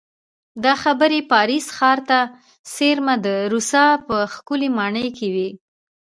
دا خبرې پاریس ښار ته څېرمه د ورسا په ښکلې ماڼۍ کې وې